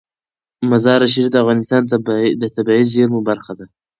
مزارشریف د افغانستان د طبیعي زیرمو برخه ده.